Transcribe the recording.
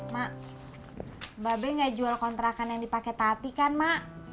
mak mbak be gak jual kontrakan yang dipake tadi kan mak